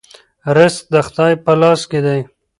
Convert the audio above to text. رزق د خدای په لاس کې دی.